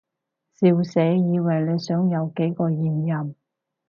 笑死，以為你想有幾個現任